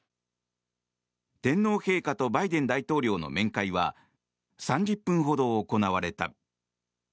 天皇陛下とバイデン大統領の面会は３０分ほど行われた。